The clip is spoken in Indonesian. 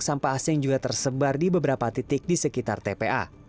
sampah asing juga tersebar di beberapa titik di sekitar tpa